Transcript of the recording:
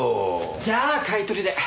じゃあ買い取りで。